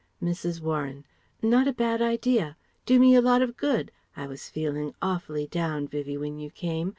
Mrs. Warren: "Not a bad idea. Do me a lot of good. I was feeling awfully down, Vivie, when you came.